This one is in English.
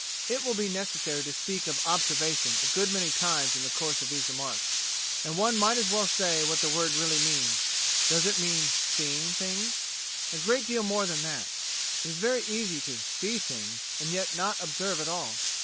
It will be necessary to speak of observation a good many times in the course of these remarks, and one might as well say what the word really means. Does it mean "seeing things"? A great deal more than that. It is very easy to "see things" and yet not observe at all.